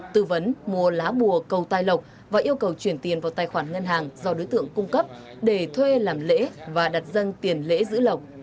tư vấn mua lá bùa cầu tai lộc và yêu cầu chuyển tiền vào tài khoản ngân hàng do đối tượng cung cấp để thuê làm lễ và đặt dân tiền lễ giữ lộc